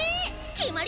決まり！